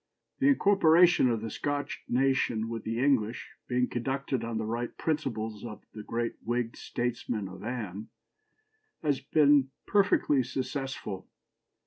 "The incorporation of the Scotch nation with the English, being conducted on the right principles by the great Whig statesman of Anne, has been perfectly successful.